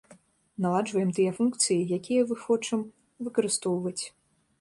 Наладжваем тыя функцыі, якія вы хочам выкарыстоўваць.